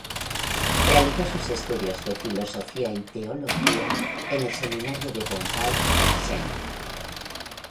Realizó sus estudios de filosofía y teología en el seminario de Bombay, St.